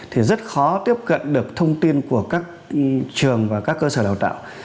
thì rất khó tiếp cận được thông tin của các trường và các cơ sở đào tạo